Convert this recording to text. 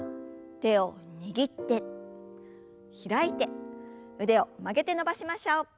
手を握って開いて腕を曲げて伸ばしましょう。